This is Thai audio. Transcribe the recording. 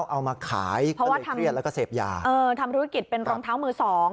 เอามาขายก็เลยเครียดแล้วก็เสพยาเออทำธุรกิจเป็นรองเท้ามือสอง